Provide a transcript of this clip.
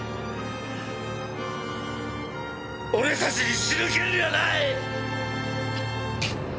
俺たちに死ぬ権利はない！